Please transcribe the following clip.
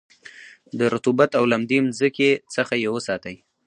د رطوبت او لمدې مځکې څخه یې وساتی.